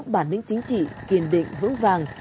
bản lĩnh chính trị kiên định vững vàng